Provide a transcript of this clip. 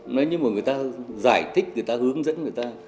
nói như mà người ta giải thích người ta hướng dẫn người ta